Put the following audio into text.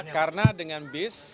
karena dengan bus